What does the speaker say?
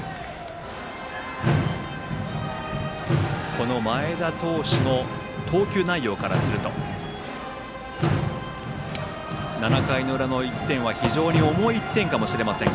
この前田投手の投球内容からすると７回裏の１点は重い１点かもしれません。